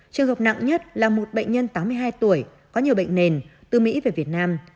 trường hợp nặng nhất là một bệnh nhân tám mươi hai tuổi có nhiều bệnh nền từ mỹ về việt nam